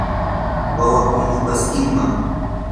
wawaa punukaskishnam.